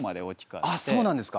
あっそうなんですか。